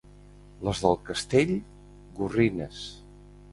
Les del Castell, «gorrines».